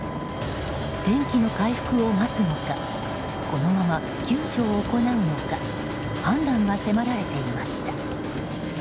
天気の回復を待つのかこのまま救助を行うのか判断が迫られていました。